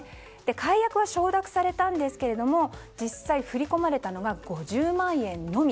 解約は承諾されたんですが実際、振り込まれたのが５０万円のみ。